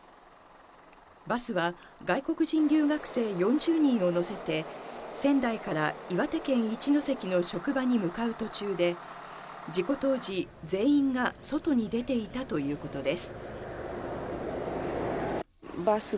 バスは外国人留学生４０人を乗せて仙台から岩手県一関の職場に向かう途中で事故当時、全員が外に出ていたということです。